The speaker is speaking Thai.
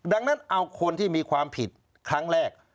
ดังนั้นเอาคนที่มีความผิดครั้งแรก